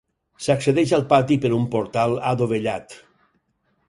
S'accedeix al pati per un portal adovellat.